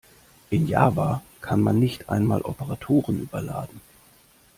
In Java kann man nicht einmal Operatoren überladen.